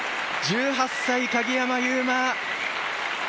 １８歳、鍵山優真。